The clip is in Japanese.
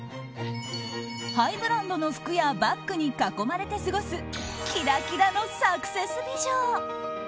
ハイブランドの服やバッグに囲まれて過ごすキラキラのサクセス美女。